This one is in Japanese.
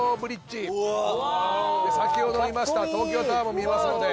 先ほどいました東京タワーも見えますので。